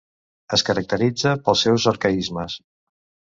Es caracteritza pels seus arcaismes.